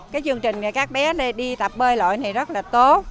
cái chương trình này các bé đi tập bơi loại này rất là tốt